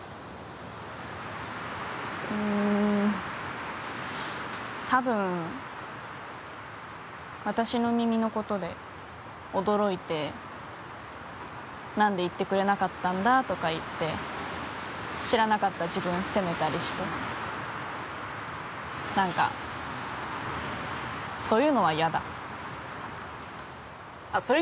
うんたぶん私の耳のことで驚いて何で言ってくれなかったんだとか言って知らなかった自分を責めたりしてなんかそういうのは嫌だあっ